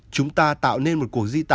chúng ta tạo nên một cuộc diễn tả